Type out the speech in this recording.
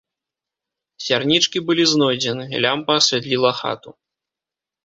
Сярнічкі былі знойдзены, лямпа асвятліла хату.